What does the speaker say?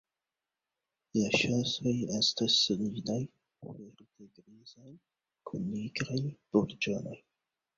La ŝosoj estas solidaj, verde-grizaj, kun nigraj burĝonoj.